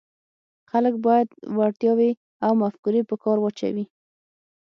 خلک باید وړتیاوې او مفکورې په کار واچوي.